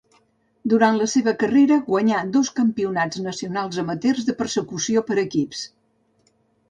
Durant la seva carrera guanyà dos campionats nacionals amateurs de persecució per equips.